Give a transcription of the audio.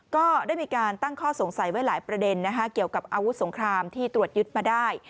ก็ได้มีการตั้งข้อสงสัยไว้หลายประเด็นเกี่ยวกับอาวุธสงครามที่ตรวจยึดมาได้